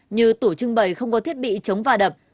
như tủ trưng bày không có thiết bị chống va đập